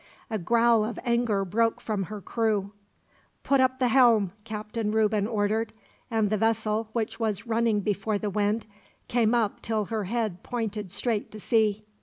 A growl of anger broke from her crew. "Put up the helm," Captain Reuben ordered; and the vessel, which was running before the wind, came up till her head pointed straight to sea.